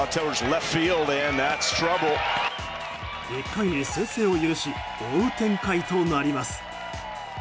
１回に先制を許し追う展開となります。